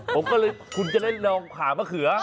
ผมก็เลยคุณจะได้ลองผ่ามะเขือ